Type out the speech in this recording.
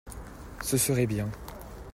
Ce serait bien.